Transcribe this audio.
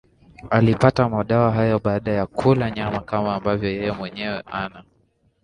alipata madawa hayo baada ya kula nyama kama ambavyo yeye mwenyewe ana